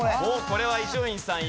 これは伊集院さん